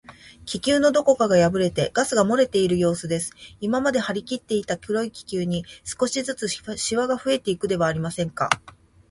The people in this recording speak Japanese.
気球のどこかがやぶれて、ガスがもれているようすです。今まではりきっていた黒い気球に、少しずつしわがふえていくではありませんか。